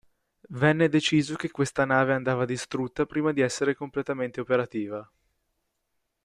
Venne deciso che questa nave andava distrutta prima di essere completamente operativa.